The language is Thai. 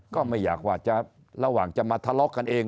ก็ไม่อยากว่าจะมาทะเลาะกันเอง